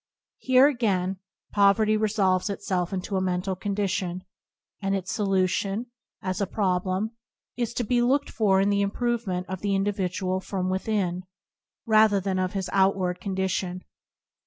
Here again, "pov erty " resolves itself into a mental condition, and its solution, as a "problem," is to be looked for in the improvement of the in dividual from within, rather than of his out ward condition.